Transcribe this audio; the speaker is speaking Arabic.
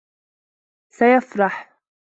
سيفرح.